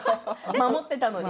守っていたのに。